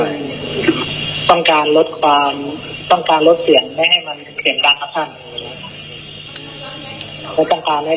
หรือต้องการให้ดูเป็นสนุกครับ